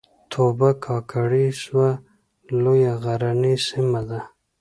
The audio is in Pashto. توبه کاکړۍ سوه لویه غرنۍ سیمه ده